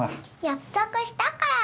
約束したから。